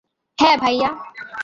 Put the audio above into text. হ্যাঁ, ভাইয়া।